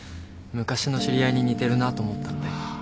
昔の知り合いに似てるなと思ったので。